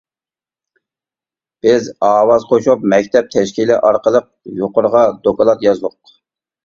بىز ئاۋاز قوشۇپ، مەكتەپ تەشكىلى ئارقىلىق يۇقىرىغا دوكلات يازدۇق.